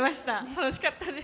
楽しかったです。